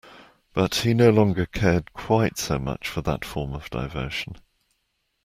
But he no longer cared quite so much for that form of diversion.